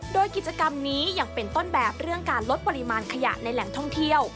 โดยกิจกรรมนี้ยังเป็นต้นแบบเรื่องการลดปริมาณขยะในแหล่งท่องเที่ยว